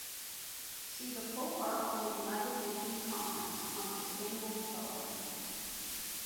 See the full article United Nations Conference on Sustainable Development.